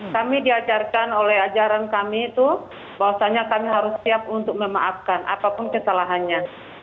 kami diajarkan oleh ajaran kami itu bahwasannya kami harus siap untuk memaafkan apapun kesalahannya